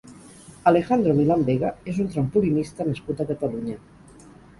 Alejandro Milán Vega és un trampolinista nascut a Catalunya.